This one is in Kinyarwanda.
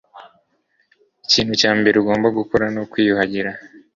Ikintu cya mbere ugomba gukora nukwiyuhagira.